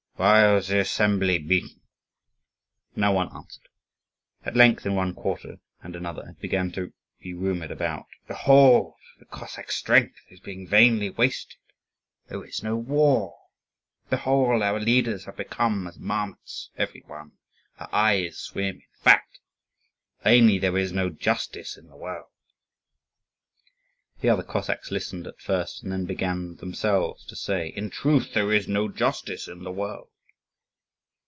Why was the assembly beaten?" No one answered. At length, in one quarter and another, it began to be rumoured about, "Behold, the Cossack strength is being vainly wasted: there is no war! Behold, our leaders have become as marmots, every one; their eyes swim in fat! Plainly, there is no justice in the world!" The other Cossacks listened at first, and then began themselves to say, "In truth, there is no justice in the world!"